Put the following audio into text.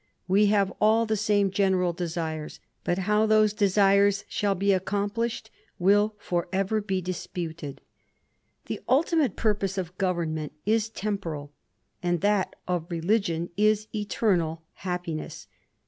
We have all the same general desires; but how those desires shall be accomplished will for ever be disputed. The ultimate purpose of government is temporal, and that of religion is eternal, happiness.